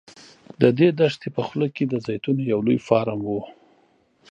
د دې دښتې په خوله کې د زیتونو یو لوی فارم و.